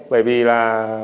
bởi vì là